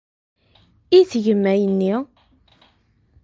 I tgem ayenni?